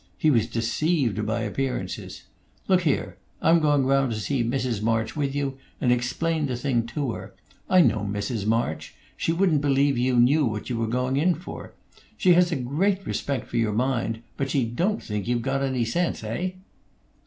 He was deceived by appearances. Look here! I'm going round to see Mrs. March with you, and explain the thing to her. I know Mrs. March! She wouldn't believe you knew what you were going in for. She has a great respect for your mind, but she don't think you've got any sense. Heigh?"